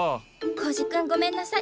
コウジ君ごめんなさい。